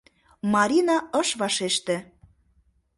Марина ыш вашеште.